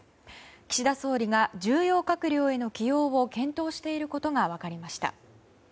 岸田総理が重要閣僚への起用を検討していることが分かりました。